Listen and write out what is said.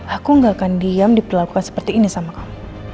aku gak akan diam diperlakukan seperti ini sama kamu